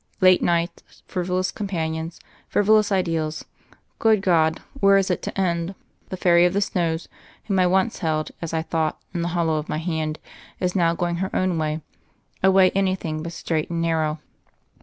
Late nights, frivolous companions, frivolous ideals — good God I where is it to end? The Tairy of the Snows' whom I once held, as I thought, in the hollow of my hand, is now go THE FAIRY OF THE SNOWS 185 ing her own way — a way anything but straight and narrow."